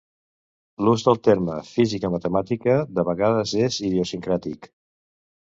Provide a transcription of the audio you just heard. L'ús del terme "física matemàtica" de vegades és idiosincràtic.